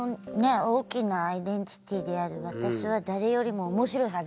大きなアイデンティティーである私は誰よりも面白いはずだと。